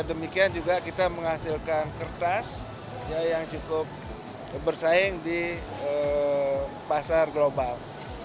demikian juga kita menghasilkan kertas yang cukup bersaing di pasar global